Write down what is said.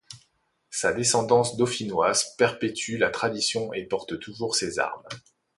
Sa descendance dauphinoise perpétue la tradition et porte toujours ses armes.